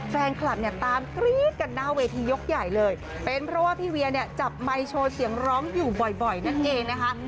แฟนคลับเนี่ยตามกรี๊ดกันหน้าเวทียกใหญ่เลยเป็นเพราะว่าพี่เวียเนี่ยจับไมค์โชว์เสียงร้องอยู่บ่อยนั่นเองนะคะ